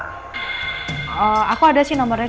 eee aku ada sih nomernya